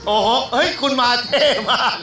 โอ้โหโอ้โหคุณมาเท่มาก